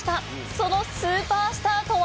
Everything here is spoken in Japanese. そのスーパースターとは？